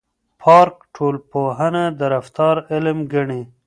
پارک ټولنپوهنه د رفتار علم ګڼي.